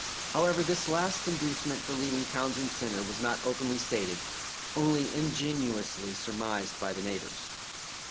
However, this last inducement for leaving Townsend Centre was not openly stated, only ingeniously surmised by the neighbours.